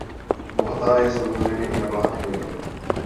Bohatá je samozřejmě i na vlákniny.